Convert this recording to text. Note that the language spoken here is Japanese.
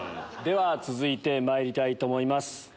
では続いてまいりたいと思います。